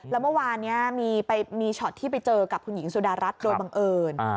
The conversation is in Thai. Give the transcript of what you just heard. แล้วเมื่อวานนี้มีช็อตที่ไปเจอกับคุณหญิงสุดารัฐโดยบังเอิญ